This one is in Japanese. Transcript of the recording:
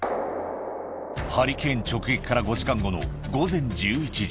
ハリケーン直撃から５時間後の午前１１時。